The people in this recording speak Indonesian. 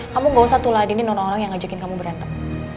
kamu gak usah tulah adinin orang orang yang ngajakin kamu berantem